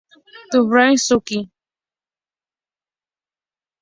Tsubasa Suzuki